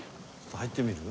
入ってみる？